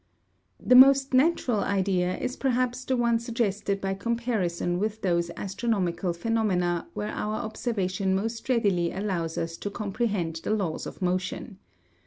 The most natural idea is perhaps the one suggested by comparison with those astronomical phenomena where our observation most readily allows us to comprehend the laws of motion.